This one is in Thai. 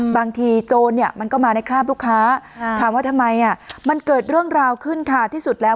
โจรมันก็มาในคราบลูกค้าถามว่าทำไมมันเกิดเรื่องราวขึ้นค่ะที่สุดแล้ว